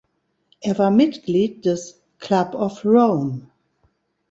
Er war Mitglied des Club of Rome.